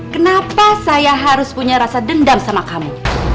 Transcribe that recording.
kenapa saya harus punya rasa dendam sama kamu